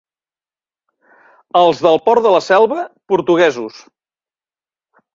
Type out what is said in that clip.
Els del Port de la Selva, portuguesos.